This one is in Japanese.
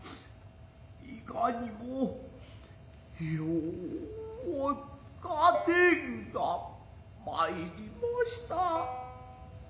いかにもよう合点が参り申した。